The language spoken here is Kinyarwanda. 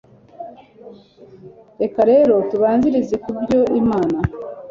reka rero tubanzirize ku byo imana